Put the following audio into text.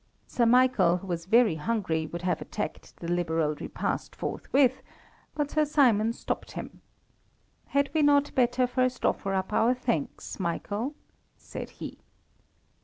Sir Michael, who was very hungry, would have attacked the liberal repast forthwith, but Sir Simon stopped him. "Had we not better first offer up our thanks, Michael?" said he.